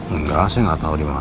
enggak saya nggak tahu di mana